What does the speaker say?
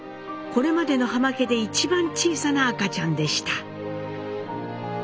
これまでの浜家でいちばん小さな赤ちゃんでした。